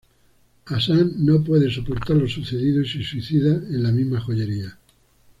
Hasan no puede soportar lo sucedido y se suicida en la misma joyería.